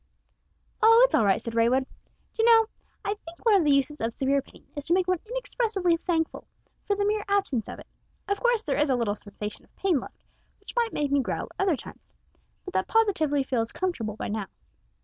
"Oh, it's all right," said Raywood. "D'you know, I think one of the uses of severe pain is to make one inexpressibly thankful for the mere absence of it. Of course there is a little sensation of pain left, which might make me growl at other times, but that positively feels comfortable now by contrast!"